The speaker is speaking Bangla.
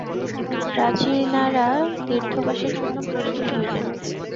প্রাচীনারা তীর্থবাসের জন্য প্রস্তুত হইলেন।